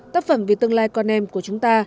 tác phẩm về tương lai con em của chúng ta